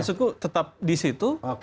masukku tetap di situ